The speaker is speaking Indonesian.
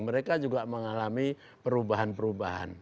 mereka juga mengalami perubahan perubahan